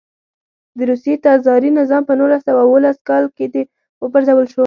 د روسیې تزاري نظام په نولس سوه اوولس کال کې و پرځول شو.